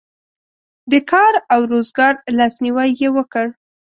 د کار او روزګار لاسنیوی یې وکړ.